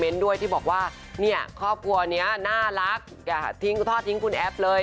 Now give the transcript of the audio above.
น่ารักท่อทิ้งคุณแอฟเลย